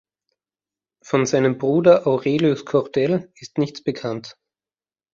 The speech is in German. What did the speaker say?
Von seinem Bruder Aurelius Kordel ist nichts bekannt.